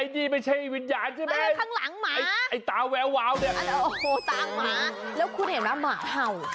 นี่ไม่ใช่วิญญาณใช่ไหมไอ้ตาแวววาวเนี่ยโอ้โหตามหมาแล้วคุณเห็นไหมหมาเห่า